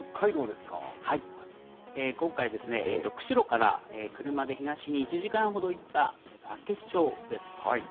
今回ですね、釧路から車で東に１時間ほど行った厚岸町です。